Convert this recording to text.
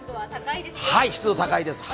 湿度は高いですね。